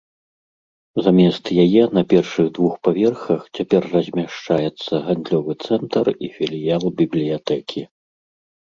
Замест яе на першых двух паверхах цяпер размяшчаецца гандлёвы цэнтр і філіял бібліятэкі.